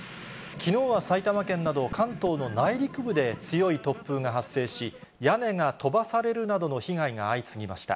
きのうは埼玉県など関東の内陸部で強い突風が発生し、屋根が飛ばされるなどの被害が相次ぎました。